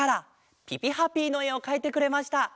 「ぴぴハピー」のえをかいてくれました。